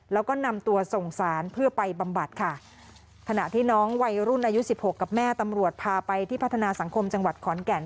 แล้วก็นำตัวส่งสารเพื่อไปบำบัดค่ะขณะที่น้องวัยรุ่นอายุสิบหกกับแม่ตำรวจพาไปที่พัฒนาสังคมจังหวัดขอนแก่น